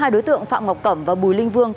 hai đối tượng phạm ngọc cẩm và bùi linh vương